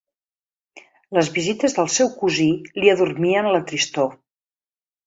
Les visites del seu cosí li adormien la tristor.